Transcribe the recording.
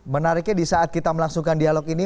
menariknya di saat kita melangsungkan dialog ini